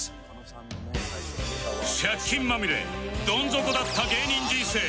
借金まみれドン底だった芸人人生